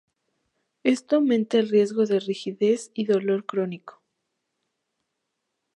Esto aumenta el riesgo de rigidez y dolor crónico.